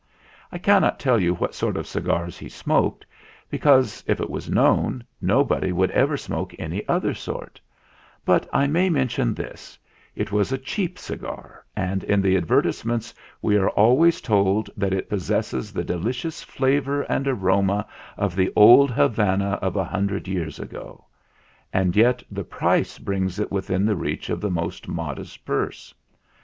I cannot tell you what sort of cigars he smoked, because, if it was known, nobody would ever smoke any other sort; but I may mention this: it was a cheap cigar, and in the advertisements we are always told that it possesses the delicious flavour and aroma of the old Havana of a hun dred years ago; and yet the price brings it within the reach of the most modest purse.